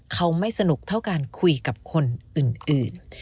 เขาไม่สนุกเท่าการคุยกับคนอื่น